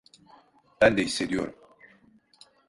Ben de hissediyorum.